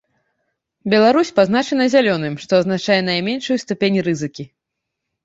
Беларусь пазначана зялёным, што азначае найменшую ступень рызыкі.